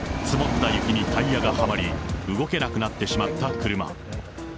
積もった雪にタイヤがはまり、動けなくなってしまった車。